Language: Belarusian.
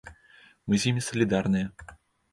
Мы з імі салідарныя.